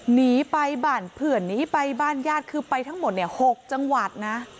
หนีไปบั่นผื่นหนีไปบ้านญาติคือไปทั้งหมด๖จังหวัด